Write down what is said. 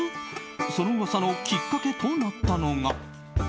その噂のきっかけとなったのが。